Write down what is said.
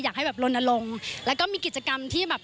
อยากให้แบบลนลงแล้วก็มีกิจกรรมที่แบบ